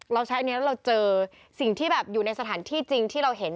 เราใช้อันนี้แล้วเราเจอสิ่งที่แบบอยู่ในสถานที่จริงที่เราเห็น